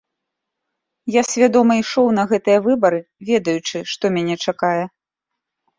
Я свядома ішоў на гэтыя выбары, ведаючы, што мяне чакае.